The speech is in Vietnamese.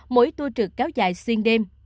mỗi tu trực kéo dài xuyên đêm